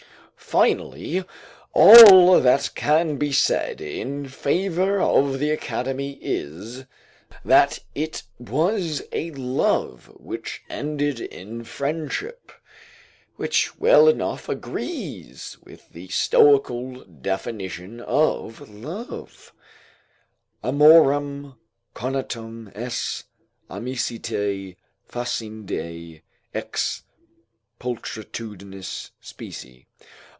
Finally, all that can be said in favour of the Academy is, that it was a love which ended in friendship, which well enough agrees with the Stoical definition of love: "Amorem conatum esse amicitiae faciendae ex pulchritudinis specie."